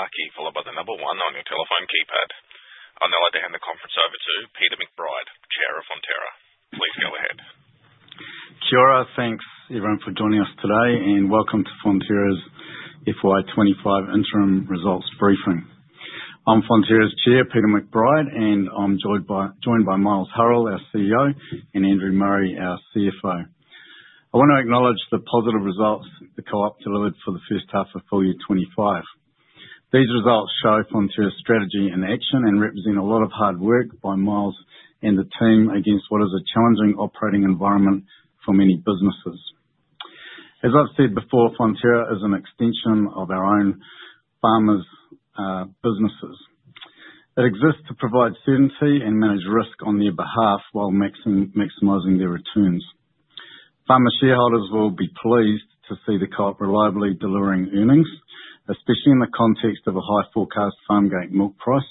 The staff key follows by the number one on your telephone keypad. I'll now like to hand the conference over to Peter McBride, Chair of Fonterra. Please go ahead. Kia ora, thanks everyone for joining us today, and welcome to Fonterra's FY25 Interim Results Briefing. I'm Fonterra's Chair, Peter McBride, and I'm joined by Miles Hurrell, our CEO, and Andrew Murray, our CFO. I want to acknowledge the positive results the Co-op delivered for the first half of FY25. These results show Fonterra's strategy and action and represent a lot of hard work by Miles and the team against what is a challenging operating environment for many businesses. As I've said before, Fonterra is an extension of our own farmers' businesses. It exists to provide certainty and manage risk on their behalf while maximizing their returns. Farmer shareholders will be pleased to see the Co-op reliably delivering earnings, especially in the context of a high forecast farmgate milk price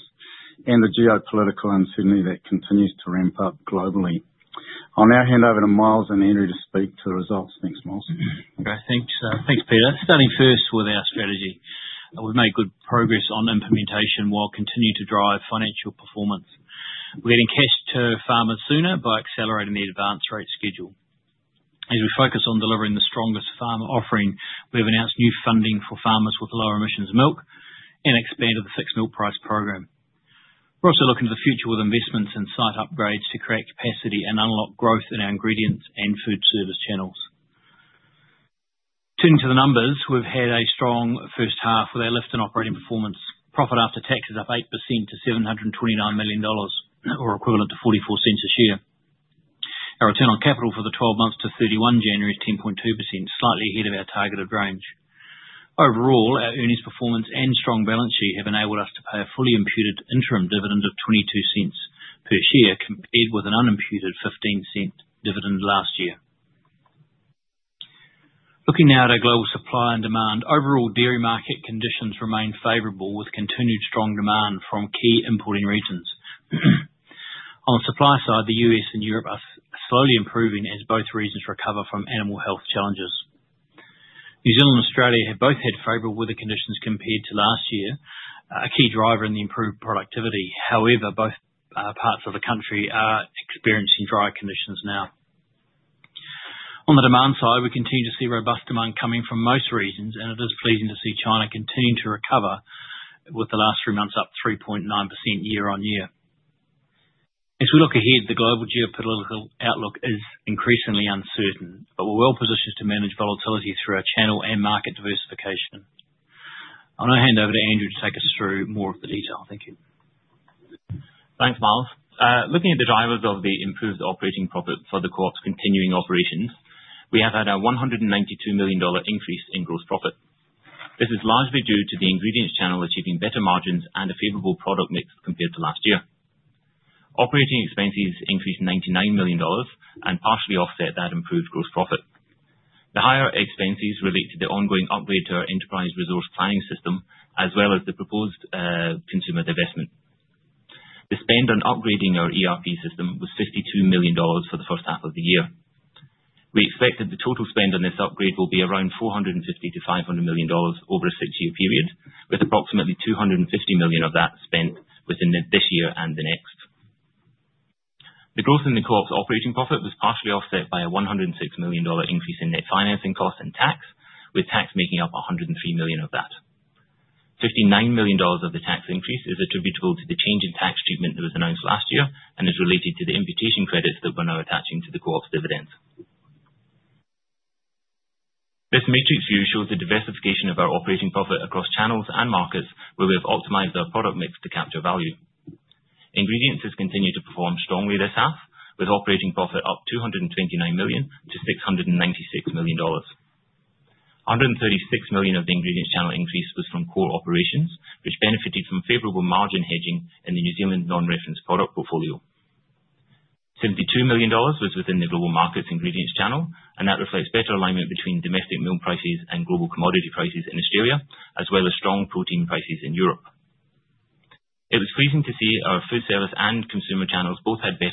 and the geopolitical uncertainty that continues to ramp up globally. I'll now hand over to Miles and Andrew to speak to the results. Thanks, Miles. Okay, thanks, Peter. Starting first with our strategy, we've made good progress on implementation while continuing to drive financial performance. We're getting cash to farmers sooner by accelerating the advance rate schedule. As we focus on delivering the strongest farmer offering, we've announced new funding for farmers with lower emissions milk and expanded the fixed milk price program. We're also looking to the future with investments in site upgrades to create capacity and unlock growth in our ingredients and food service channels. Turning to the numbers, we've had a strong first half with our lift in operating performance. Profit after tax is up 8% to 729 million dollars, or equivalent to 0.44 a share. Our return on capital for the 12 months to 31 January is 10.2%, slightly ahead of our targeted range. Overall, our earnings performance and strong balance sheet have enabled us to pay a fully imputed interim dividend of $0.22 per share, compared with an unimputed $0.15 dividend last year. Looking now at our global supply and demand, overall dairy market conditions remain favorable with continued strong demand from key importing regions. On the supply side, the U.S. and Europe are slowly improving as both regions recover from animal health challenges. New Zealand and Australia have both had favorable weather conditions compared to last year, a key driver in the improved productivity. However, both parts of the country are experiencing drier conditions now. On the demand side, we continue to see robust demand coming from most regions, and it is pleasing to see China continuing to recover, with the last three months up 3.9% year on year. As we look ahead, the global geopolitical outlook is increasingly uncertain, but we're well positioned to manage volatility through our channel and market diversification. I'll now hand over to Andrew to take us through more of the detail. Thank you. Thanks, Miles. Looking at the drivers of the improved operating profit for the Co-op's continuing operations, we have had a $192 million increase in gross profit. This is largely due to the ingredients channel achieving better margins and a favorable product mix compared to last year. Operating expenses increased $99 million and partially offset that improved gross profit. The higher expenses relate to the ongoing upgrade to our enterprise resource planning system, as well as the proposed consumer divestment. The spend on upgrading our ERP system was $52 million for the first half of the year. We expect that the total spend on this upgrade will be around $450-$500 million over a six-year period, with approximately $250 million of that spent within this year and the next. The growth in the Co-op's operating profit was partially offset by a 106 million dollar increase in net financing costs and tax, with tax making up 103 million of that. 59 million dollars of the tax increase is attributable to the change in tax treatment that was announced last year and is related to the imputation credits that we're now attaching to the Co-op's dividends. This matrix view shows the diversification of our operating profit across channels and markets where we have optimized our product mix to capture value. Ingredients has continued to perform strongly this half, with operating profit up 229 million to 696 million dollars. 136 million of the ingredients channel increase was from core operations, which benefited from favorable margin hedging in the New Zealand non-reference product portfolio. 72 million was within the global markets ingredients channel, and that reflects better alignment between domestic milk prices and global commodity prices in Australia, as well as strong protein prices in Europe. It was pleasing to see our food service and consumer channels both had better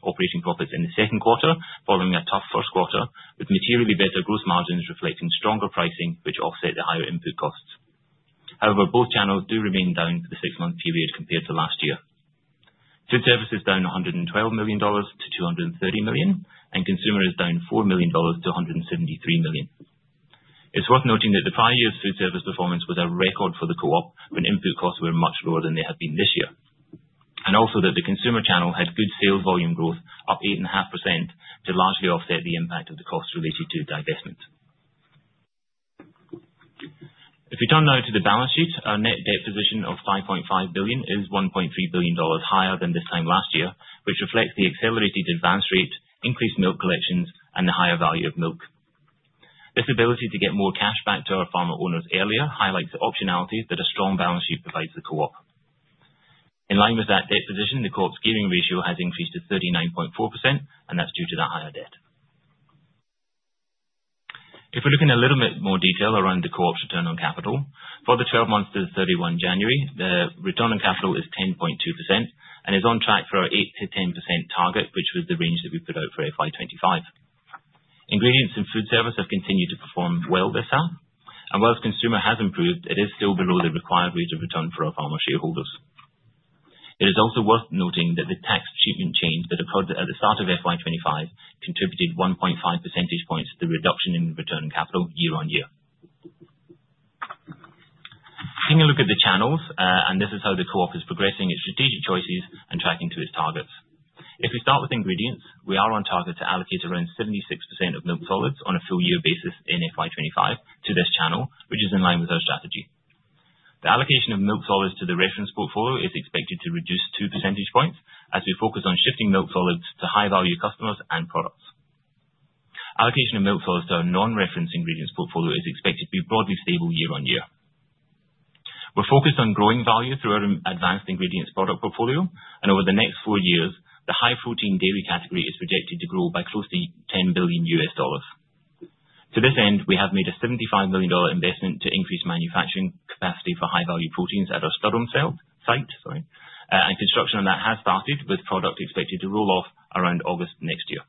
operating profits in the second quarter following a tough first quarter, with materially better gross margins reflecting stronger pricing, which offset the higher input costs. However, both channels do remain down for the six-month period compared to last year. Food service is down 112 million dollars to 230 million, and consumer is down 4 million dollars to 173 million. It's worth noting that the prior year's food service performance was a record for the Co-op when input costs were much lower than they have been this year, and also that the consumer channel had good sales volume growth, up 8.5%, to largely offset the impact of the costs related to divestment. If we turn now to the balance sheet, our net debt position of 5.5 billion is 1.3 billion dollars higher than this time last year, which reflects the accelerated advance rate, increased milk collections, and the higher value of milk. This ability to get more cash back to our farmer owners earlier highlights the optionalities that a strong balance sheet provides the Co-op. In line with that debt position, the Co-op's gearing ratio has increased to 39.4%, and that's due to that higher debt. If we're looking a little bit more detail around the Co-op's return on capital, for the 12 months to the 31 January, the return on capital is 10.2% and is on track for our 8-10% target, which was the range that we put out for FY2025. Ingredients and food service have continued to perform well this half, and while consumer has improved, it is still below the required rate of return for our farmer shareholders. It is also worth noting that the tax treatment change that occurred at the start of FY2025 contributed 1.5 percentage points to the reduction in return on capital year on year. Taking a look at the channels, and this is how the Co-op is progressing its strategic choices and tracking to its targets. If we start with ingredients, we are on target to allocate around 76% of milk solids on a full year basis in FY2025 to this channel, which is in line with our strategy. The allocation of milk solids to the reference portfolio is expected to reduce 2 percentage points as we focus on shifting milk solids to high-value customers and products. Allocation of milk solids to our non-reference ingredients portfolio is expected to be broadly stable year on year. We're focused on growing value through our advanced ingredients product portfolio, and over the next four years, the high protein dairy category is projected to grow by close to $10 billion. To this end, we have made a 75 million dollar investment to increase manufacturing capacity for high-value proteins at our Studholme site, and construction on that has started, with product expected to roll off around August next year.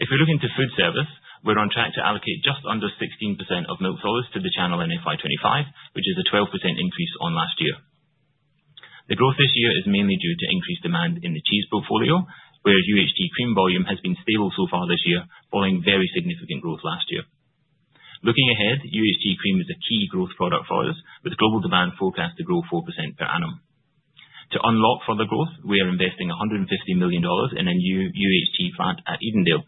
If we look into food service, we're on track to allocate just under 16% of milk solids to the channel in FY2025, which is a 12% increase on last year. The growth this year is mainly due to increased demand in the cheese portfolio, where UHT cream volume has been stable so far this year, following very significant growth last year. Looking ahead, UHT cream is a key growth product for us, with global demand forecast to grow 4% per annum. To unlock further growth, we are investing 150 million dollars in a new UHT plant at Edendale,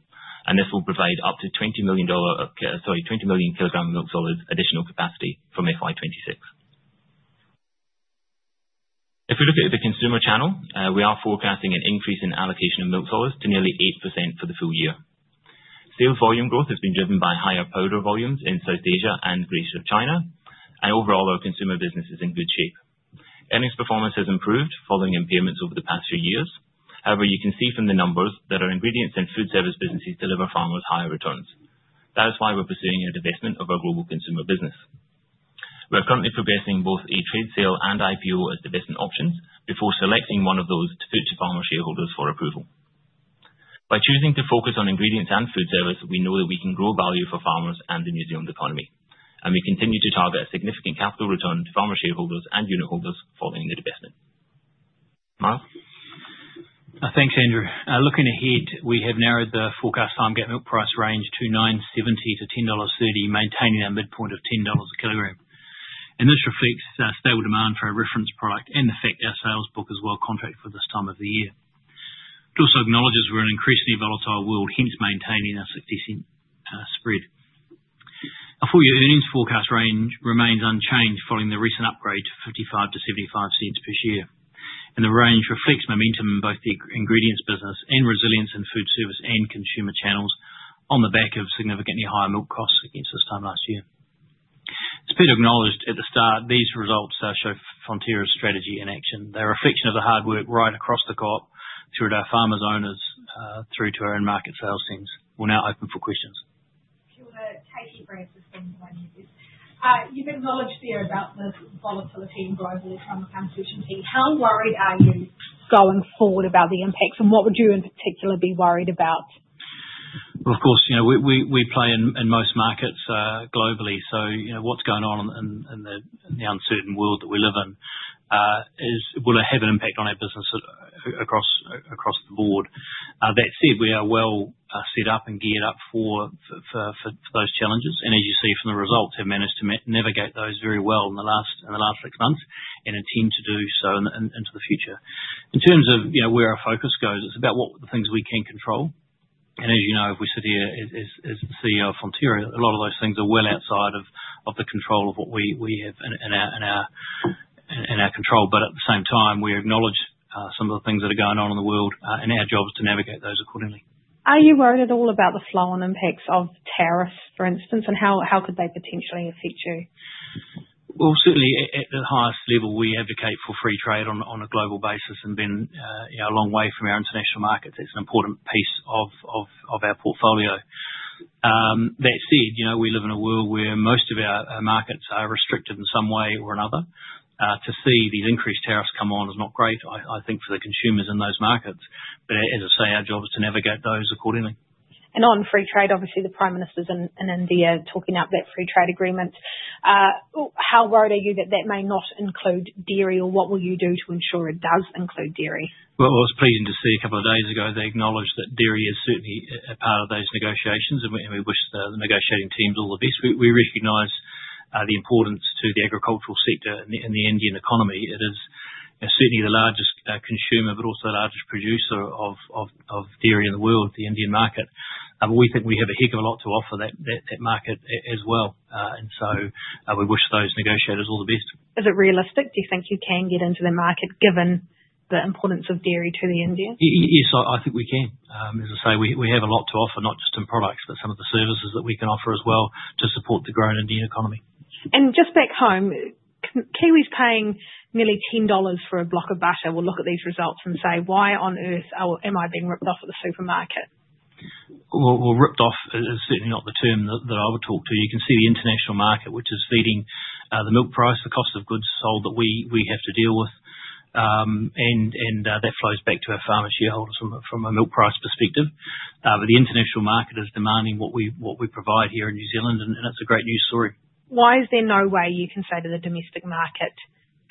and this will provide up to 20 million kilogram milk solids additional capacity from FY2026. If we look at the consumer channel, we are forecasting an increase in allocation of milk solids to nearly 8% for the full year. Sales volume growth has been driven by higher powder volumes in South Asia and the greater China, and overall our consumer business is in good shape. Earnings performance has improved following impairments over the past few years. However, you can see from the numbers that our ingredients and food service businesses deliver far more higher returns. That is why we're pursuing a divestment of our global consumer business. We're currently progressing both a trade sale and IPO as divestment options before selecting one of those to fit to farmer shareholders for approval. By choosing to focus on ingredients and food service, we know that we can grow value for farmers and the New Zealand economy, and we continue to target a significant capital return to farmer shareholders and unit holders following the divestment. Miles? Thanks, Andrew. Looking ahead, we have narrowed the forecast farmgate milk price range to 9.70-10.30 dollars, maintaining our midpoint of 10 dollars a kilogram. This reflects stable demand for our reference product and the fact our sales book is well contracted for this time of the year. It also acknowledges we are in an increasingly volatile world, hence maintaining our 60 cent spread. Our full year earnings forecast range remains unchanged following the recent upgrade to $0.55-$0.75 per share. The range reflects momentum in both the ingredients business and resilience in food service and consumer channels on the back of significantly higher milk costs against this time last year. It is better acknowledged at the start, these results show Fonterra's strategy in action. They are a reflection of the hard work right across the Co-op through to our farmers, owners, through to our end market sales teams. We'll now open for questions. Kia ora, take your break for some time. You've acknowledged fear about the volatility in global farm fee. How worried are you going forward about the impacts, and what would you in particular be worried about? Of course, we play in most markets globally, so what's going on in the uncertain world that we live in will have an impact on our business across the board. That said, we are well set up and geared up for those challenges, and as you see from the results, have managed to navigate those very well in the last six months and intend to do so into the future. In terms of where our focus goes, it's about what the things we can control. As you know, if we sit here as the CEO of Fonterra, a lot of those things are well outside of the control of what we have in our control, but at the same time, we acknowledge some of the things that are going on in the world, and our job is to navigate those accordingly. Are you worried at all about the flow on impacts of tariffs, for instance, and how could they potentially affect you? Certainly at the highest level, we advocate for free trade on a global basis and being a long way from our international markets. It's an important piece of our portfolio. That said, we live in a world where most of our markets are restricted in some way or another. To see these increased tariffs come on is not great, I think, for the consumers in those markets, but as I say, our job is to navigate those accordingly. On free trade, obviously, the Prime Minister's in India talking up that free trade agreement. How worried are you that that may not include dairy, or what will you do to ensure it does include dairy? It was pleasing to see a couple of days ago they acknowledged that dairy is certainly a part of those negotiations, and we wish the negotiating teams all the best. We recognize the importance to the agricultural sector and the Indian economy. It is certainly the largest consumer, but also the largest producer of dairy in the world, the Indian market. We think we have a heck of a lot to offer that market as well, and we wish those negotiators all the best. Is it realistic? Do you think you can get into the market given the importance of dairy to the Indians? Yes, I think we can. As I say, we have a lot to offer, not just in products, but some of the services that we can offer as well to support the growing Indian economy. Just back home, Kiwis paying nearly 10 dollars for a block of butter. We'll look at these results and say, "Why on earth am I being ripped off at the supermarket? Ripped off is certainly not the term that I would talk to. You can see the international market, which is feeding the milk price, the cost of goods sold that we have to deal with, and that flows back to our farmer shareholders from a milk price perspective. The international market is demanding what we provide here in New Zealand, and it's a great news story. Why is there no way you can say to the domestic market,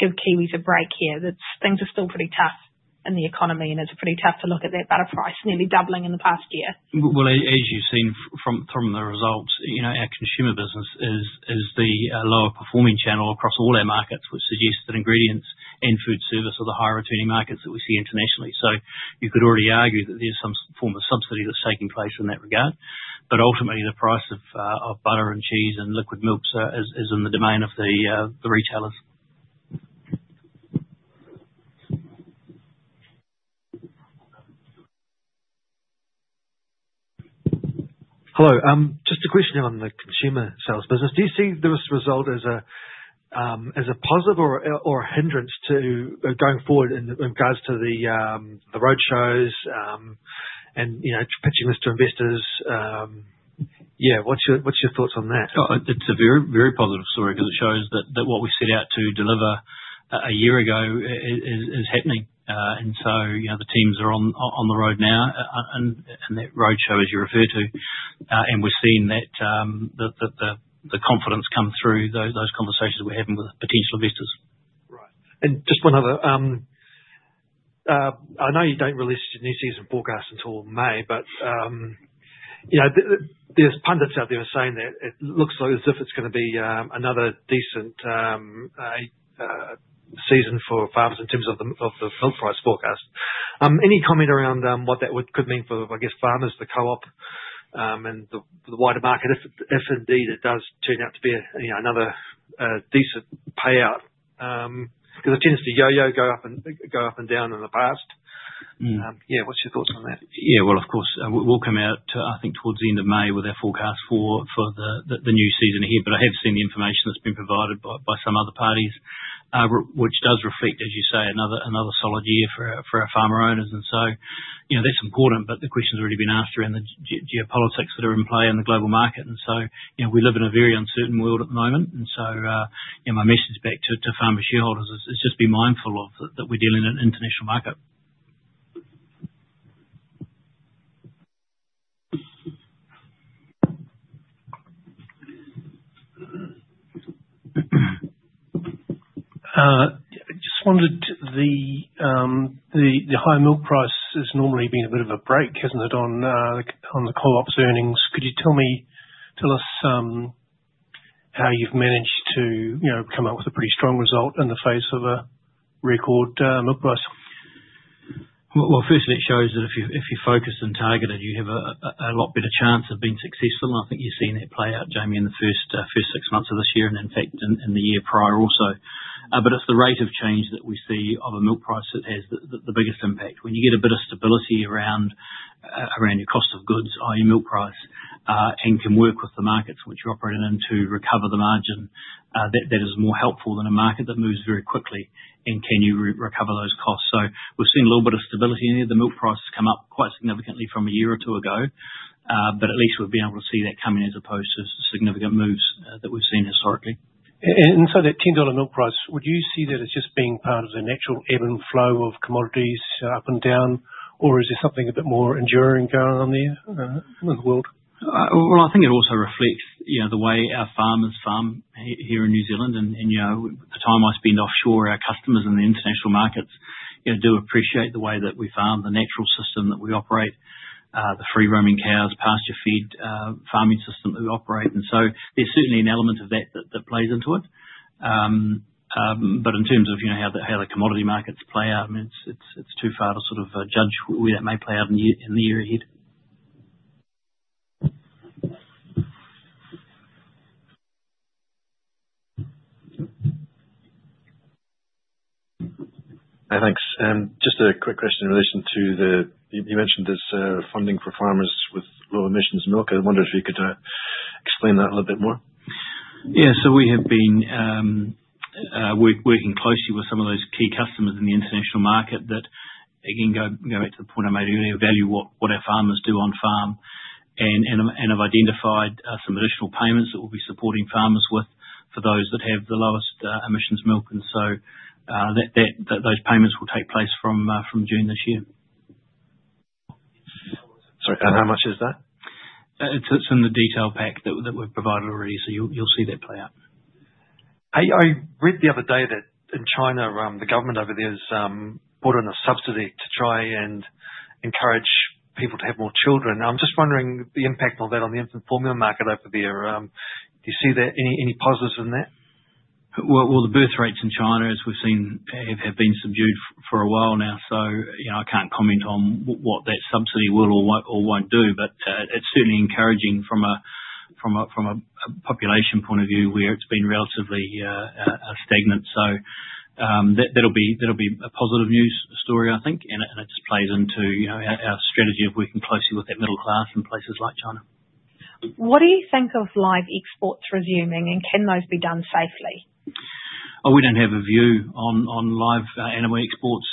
"Give Kiwis a break here?" Things are still pretty tough in the economy, and it's pretty tough to look at that butter price nearly doubling in the past year. As you've seen from the results, our consumer business is the lower performing channel across all our markets, which suggests that ingredients and food service are the higher returning markets that we see internationally. You could already argue that there's some form of subsidy that's taking place in that regard, but ultimately the price of butter and cheese and liquid milks is in the domain of the retailers. Hello. Just a question on the consumer sales business. Do you see this result as a positive or a hindrance to going forward in regards to the roadshows and pitching this to investors? Yeah, what's your thoughts on that? It's a very positive story because it shows that what we set out to deliver a year ago is happening, and the teams are on the road now and that roadshow, as you refer to, and we're seeing that confidence come through those conversations we're having with potential investors. Right. Just one other, I know you do not release new season's forecast until May, but there are pundits out there saying that it looks as if it is going to be another decent season for farmers in terms of the milk price forecast. Any comment around what that could mean for, I guess, farmers, the Co-op, and the wider market if indeed it does turn out to be another decent payout? It tends to yo-yo, go up and down in the past. What are your thoughts on that? Yeah, of course, we'll come out, I think, towards the end of May with our forecast for the new season here, but I have seen the information that's been provided by some other parties, which does reflect, as you say, another solid year for our farmer owners, and that's important, but the questions have already been asked around the geopolitics that are in play in the global market, and we live in a very uncertain world at the moment, and my message back to farmer shareholders is just be mindful that we're dealing in an international market. I just wondered, the high milk price has normally been a bit of a break, hasn't it, on the Co-op's earnings. Could you tell us how you've managed to come up with a pretty strong result in the face of a record milk price? Firstly, it shows that if you're focused and targeted, you have a lot better chance of being successful, and I think you've seen it play out, Jamie, in the first six months of this year and, in fact, in the year prior also. It is the rate of change that we see of a milk price that has the biggest impact. When you get a bit of stability around your cost of goods, i.e., milk price, and can work with the markets in which you're operating in to recover the margin, that is more helpful than a market that moves very quickly and can you recover those costs. We have seen a little bit of stability in here. The milk price has come up quite significantly from a year or two ago, but at least we've been able to see that coming as opposed to significant moves that we've seen historically. That $10 milk price, would you see that as just being part of the natural ebb and flow of commodities up and down, or is there something a bit more enduring going on there in the world? I think it also reflects the way our farmers farm here in New Zealand, and the time I spend offshore, our customers in the international markets do appreciate the way that we farm, the natural system that we operate, the free-roaming cows, pasture feed farming system that we operate, and so there's certainly an element of that that plays into it. In terms of how the commodity markets play out, it's too far to sort of judge where that may play out in the year ahead. Hey, thanks. Just a quick question in relation to the you mentioned there's funding for farmers with low emissions milk. I wondered if you could explain that a little bit more. Yeah, we have been working closely with some of those key customers in the international market that, again, going back to the point I made earlier, value what our farmers do on farm, and I've identified some additional payments that we'll be supporting farmers with for those that have the lowest emissions milk, and those payments will take place from June this year. Sorry, and how much is that? It's in the detail pack that we've provided already, so you'll see that play out. I read the other day that in China, the government over there has put in a subsidy to try and encourage people to have more children. I'm just wondering the impact of that on the infant formula market over there. Do you see any positives in that? The birth rates in China, as we've seen, have been subdued for a while now, so I can't comment on what that subsidy will or won't do, but it's certainly encouraging from a population point of view where it's been relatively stagnant. That'll be a positive news story, I think, and it just plays into our strategy of working closely with that middle class in places like China. What do you think of live exports resuming, and can those be done safely? We do not have a view on live animal exports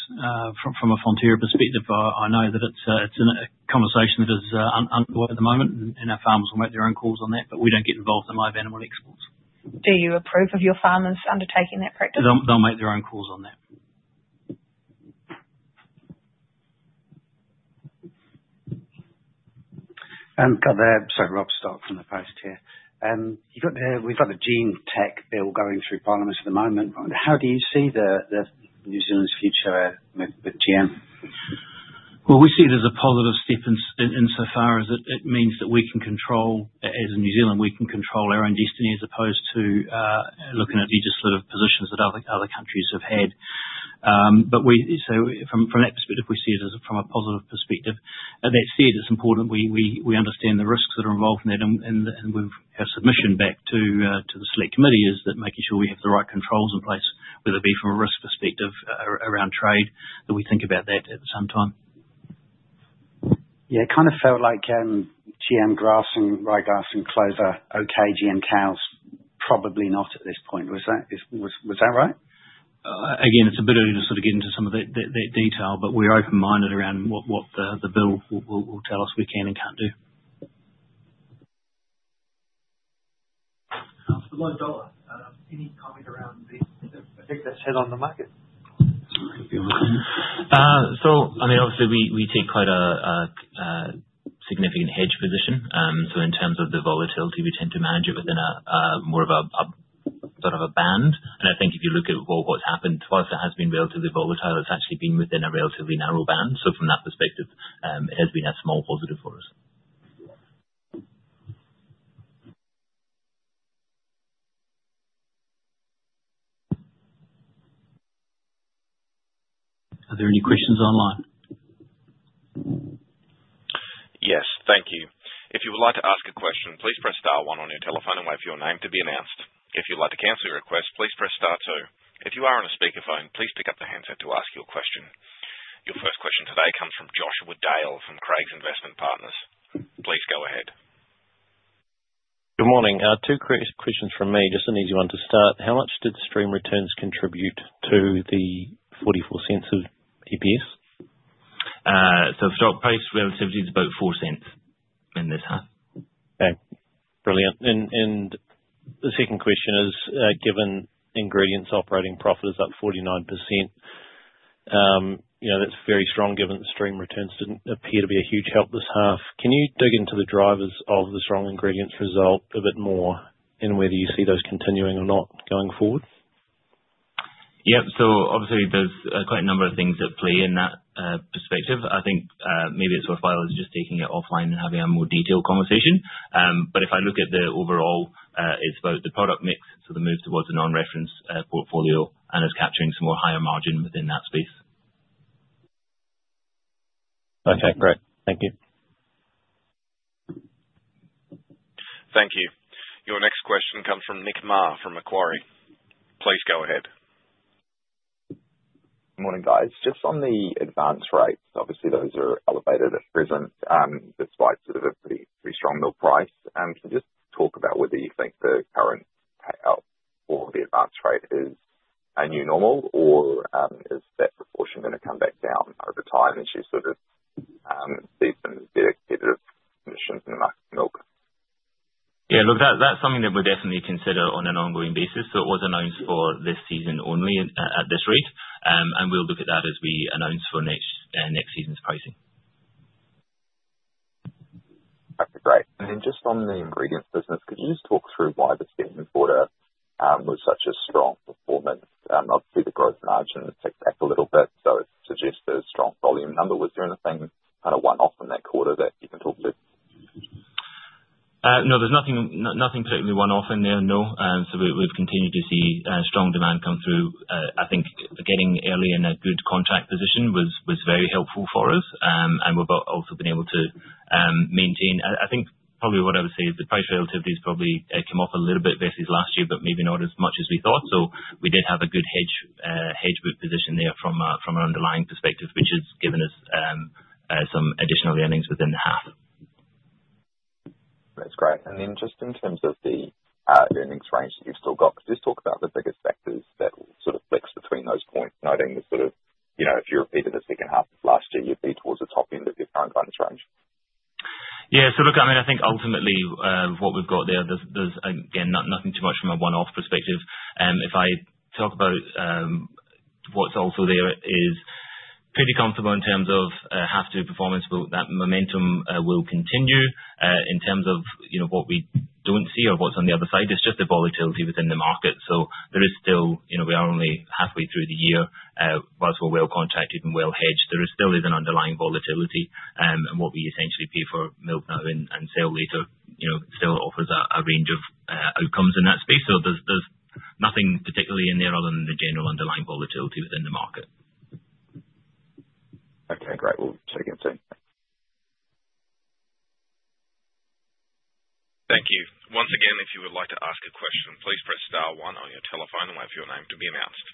from a Fonterra perspective. I know that it is a conversation that is underway at the moment, and our farmers will make their own calls on that, but we do not get involved in live animal exports. Do you approve of your farmers undertaking that practice? They'll make their own calls on that. I've got the—sorry, Rob's stopped on the post here. We've got the Genetic Technology Bill going through Parliament at the moment. How do you see New Zealand's future with GM? We see it as a positive step insofar as it means that we can control—as New Zealand, we can control our own destiny as opposed to looking at legislative positions that other countries have had. From that perspective, we see it from a positive perspective. That said, it's important we understand the risks that are involved in that, and our submission back to the select committee is that making sure we have the right controls in place, whether it be from a risk perspective around trade, that we think about that at the same time. Yeah, it kind of felt like GM grass and ryegrass and clover, okay, GM cows, probably not at this point. Was that right? Again, it's a bit early to sort of get into some of that detail, but we're open-minded around what the bill will tell us we can and can't do. Any comment around the effect that's had on the market? I mean, obviously, we take quite a significant hedge position. In terms of the volatility, we tend to manage it within more of a sort of a band. I think if you look at what's happened, whilst it has been relatively volatile, it's actually been within a relatively narrow band. From that perspective, it has been a small positive for us. Are there any questions online? Yes, thank you. If you would like to ask a question, please press star one on your telephone and wait for your name to be announced. If you'd like to cancel your request, please press star two. If you are on a speakerphone, please pick up the handset to ask your question. Your first question today comes from Joshua Dale from Craigs Investment Partners. Please go ahead. Good morning. Two quick questions from me. Just an easy one to start. How much did stream returns contribute to the 44 cents of EPS? Stock price relatively is about $0.04 in this half. Okay. Brilliant. The second question is, given ingredients operating profit is up 49%, that's very strong given stream returns didn't appear to be a huge help this half. Can you dig into the drivers of the strong ingredients result a bit more and whether you see those continuing or not going forward? Yep. Obviously, there's quite a number of things at play in that perspective. I think maybe it's worthwhile just taking it offline and having a more detailed conversation. If I look at the overall, it's about the product mix, so the move towards a non-reference portfolio and is capturing some more higher margin within that space. Okay. Great. Thank you. Thank you. Your next question comes from Nick Mar from Macquarie. Please go ahead. Morning, guys. Just on the advance rates, obviously, those are elevated at present despite sort of a pretty strong milk price. Can you just talk about whether you think the current payout for the advance rate is a new normal, or is that proportion going to come back down over time as you sort of see some better commissions in the milk? Yeah, look, that's something that we definitely consider on an ongoing basis. It was announced for this season only at this rate, and we'll look at that as we announce for next season's pricing. That's great. Just on the ingredients business, could you talk through why the season quarter was such a strong performance? Obviously, the growth margin ticks back a little bit, so it suggests a strong volume number. Was there anything kind of one-off in that quarter that you can talk about? No, there's nothing particularly one-off in there, no. We have continued to see strong demand come through. I think getting early in a good contract position was very helpful for us, and we have also been able to maintain. I think probably what I would say is the price relativity has probably come off a little bit versus last year, but maybe not as much as we thought. We did have a good hedge position there from an underlying perspective, which has given us some additional earnings within the half. That's great. Just in terms of the earnings range that you've still got, could you just talk about the biggest factors that sort of flex between those points, noting the sort of if you repeated the second half of last year, you'd be towards the top end of your current earnings range? Yeah. So look, I mean, I think ultimately what we've got there, there's, again, nothing too much from a one-off perspective. If I talk about what's also there, is pretty comfortable in terms of half-to performance, that momentum will continue in terms of what we don't see or what's on the other side. It's just the volatility within the market. There is still we are only halfway through the year. Whilst we're well contracted and well hedged, there still is an underlying volatility, and what we essentially pay for milk now and sale later still offers a range of outcomes in that space. There's nothing particularly in there other than the general underlying volatility within the market. Okay. Great. We'll check in soon. Thank you. Once again, if you would like to ask a question, please press star one on your telephone and wait for your name to be announced.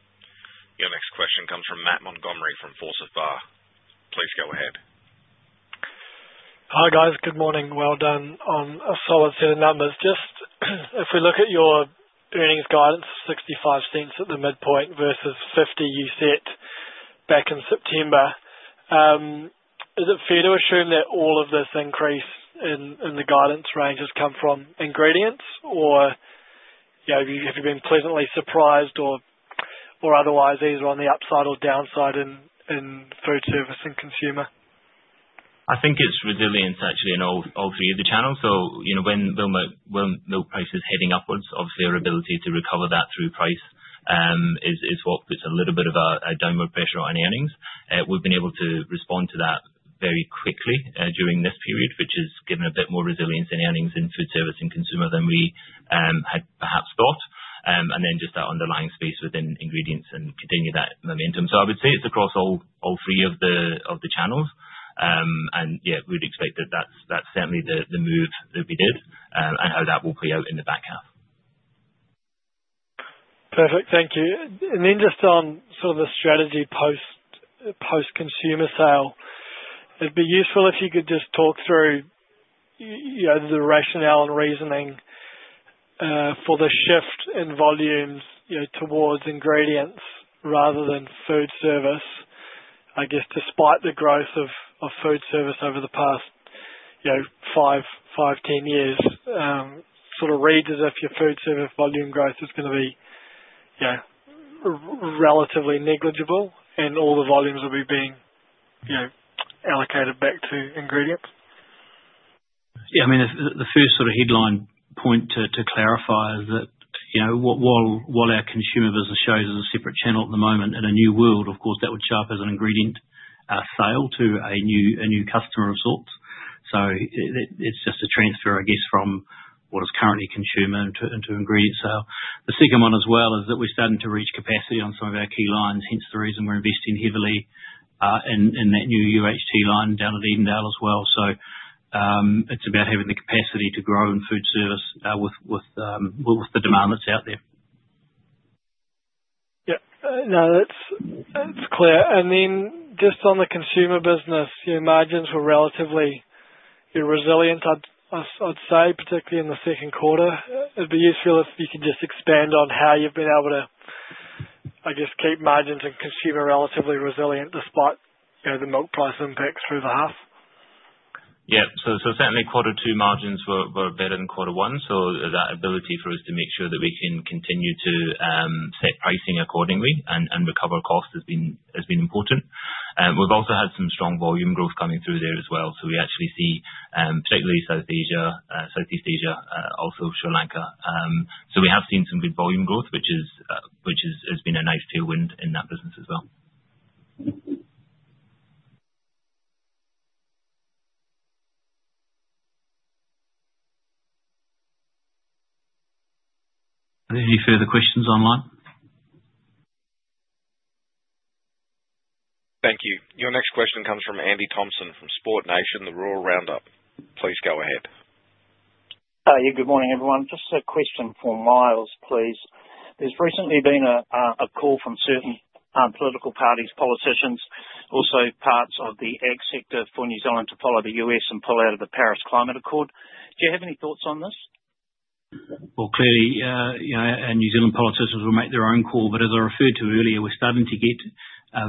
Your next question comes from Matt Montgomery from Forsyth Barr. Please go ahead. Hi, guys. Good morning. Well done on a solid set of numbers. Just if we look at your earnings guidance of $0.65 at the midpoint versus $0.50 you set back in September, is it fair to assume that all of this increase in the guidance range has come from ingredients, or have you been pleasantly surprised or otherwise either on the upside or downside in food service and consumer? I think it's resilience, actually, in all three of the channels. When milk price is heading upwards, obviously, our ability to recover that through price is what puts a little bit of a downward pressure on earnings. We've been able to respond to that very quickly during this period, which has given a bit more resilience in earnings in food service and consumer than we had perhaps thought. And just that underlying space within ingredients and continued that momentum. I would say it's across all three of the channels. Yeah, we'd expect that that's certainly the move that we did and how that will play out in the back half. Perfect. Thank you. Just on sort of the strategy post-consumer sale, it'd be useful if you could just talk through the rationale and reasoning for the shift in volumes towards ingredients rather than food service. I guess despite the growth of food service over the past five, ten years, sort of reads as if your food service volume growth is going to be relatively negligible and all the volumes will be being allocated back to ingredients. Yeah. I mean, the first sort of headline point to clarify is that while our consumer business shows as a separate channel at the moment, in a new world, of course, that would show up as an ingredient sale to a new customer of sorts. It is just a transfer, I guess, from what is currently consumer into ingredient sale. The second one as well is that we are starting to reach capacity on some of our key lines, hence the reason we are investing heavily in that new UHT line down at Edendale as well. It is about having the capacity to grow in food service with the demand that is out there. Yep. No, that's clear. Just on the consumer business, margins were relatively resilient, I'd say, particularly in the second quarter. It'd be useful if you could just expand on how you've been able to, I guess, keep margins in consumer relatively resilient despite the milk price impacts through the half. Yeah. Certainly, quarter two margins were better than quarter one. That ability for us to make sure that we can continue to set pricing accordingly and recover cost has been important. We've also had some strong volume growth coming through there as well. We actually see, particularly Southeast Asia, also Sri Lanka. We have seen some good volume growth, which has been a nice tailwind in that business as well. Any further questions online? Thank you. Your next question comes from Andy Thompson from Sports Nation, the Rural Roundup. Please go ahead. Hi. Good morning, everyone. Just a question for Miles, please. There's recently been a call from certain political parties, politicians, also parts of the ag sector for New Zealand to follow the US and pull out of the Paris Climate Accord. Do you have any thoughts on this? Clearly, our New Zealand politicians will make their own call. As I referred to earlier, we're starting to get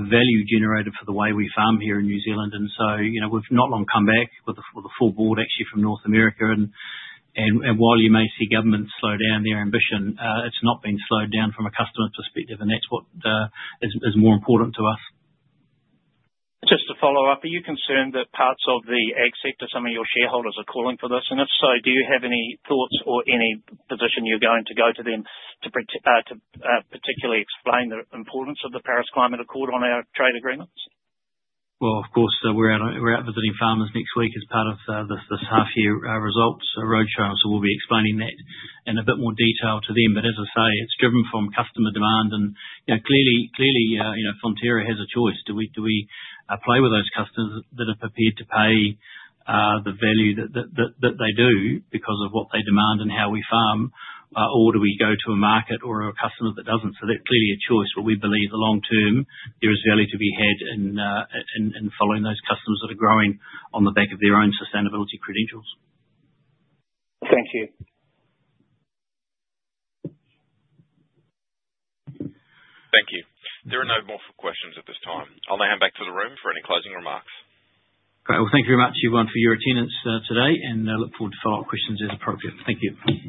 value generated for the way we farm here in New Zealand. We've not long come back with a full board actually from North America. While you may see governments slow down their ambition, it's not been slowed down from a customer's perspective, and that's what is more important to us. Just to follow up, are you concerned that parts of the ag sector, some of your shareholders are calling for this? If so, do you have any thoughts or any position you're going to go to them to particularly explain the importance of the Paris Climate Accord on our trade agreements? Of course, we're out visiting farmers next week as part of this half-year results roadshow. We'll be explaining that in a bit more detail to them. As I say, it's driven from customer demand. Clearly, Fonterra has a choice. Do we play with those customers that are prepared to pay the value that they do because of what they demand and how we farm, or do we go to a market or a customer that doesn't? That's clearly a choice. We believe the long term, there is value to be had in following those customers that are growing on the back of their own sustainability credentials. Thank you. Thank you. There are no more questions at this time. I'll now hand back to the room for any closing remarks. Great. Thank you very much, everyone, for your attendance today, and I look forward to follow-up questions as appropriate. Thank you.